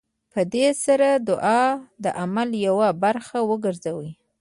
په دې سره دعا د عمل يوه برخه وګرځي.